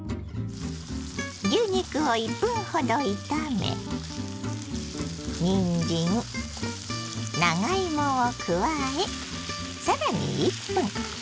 牛肉を１分ほど炒めにんじん長芋を加え更に１分。